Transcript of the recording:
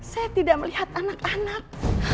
saya tidak melihat anak anak